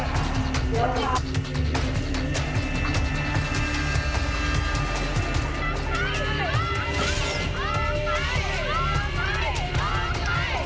ไม่หวนอื่นกับทางงานเดียว